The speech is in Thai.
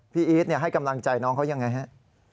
อีทให้กำลังใจน้องเขายังไงฮะ